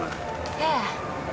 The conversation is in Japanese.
ええ。